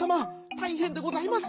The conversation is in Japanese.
たいへんでございます。